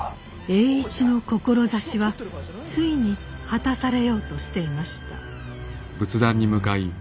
栄一の志はついに果たされようとしていました。